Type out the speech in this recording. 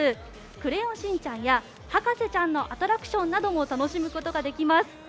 「クレヨンしんちゃん」や「博士ちゃん」のアトラクションなども楽しむことができます。